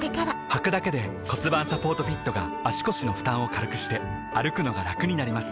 はくだけで骨盤サポートフィットが腰の負担を軽くして歩くのがラクになります